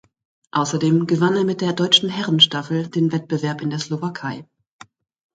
Außerdem gewann er mit der deutschen Herrenstaffel den Wettbewerb in der Slowakei.